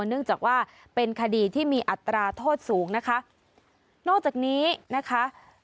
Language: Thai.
เนื่องจากว่าเป็นคดีที่มีอัตราโทษสูงนะคะนอกจากนี้นะคะ